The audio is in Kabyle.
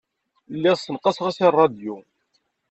Lliɣ ssenqaseɣ-as i ṛṛadyu.